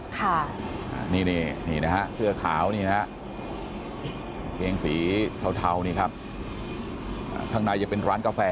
ค่ะนี่นี่นะฮะเสื้อขาวนี่นะฮะเกงสีเทานี่ครับข้างในจะเป็นร้านกาแฟ